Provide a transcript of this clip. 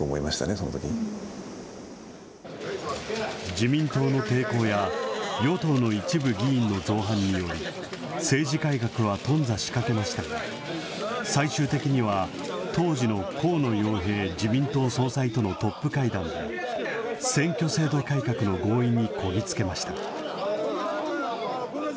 自民党の抵抗や、与党の一部議員の造反により、政治改革は頓挫しかけましたが、最終的には、当時の河野洋平自民党総裁とのトップ会談で、選挙制度改革の合意にこぎ着けました。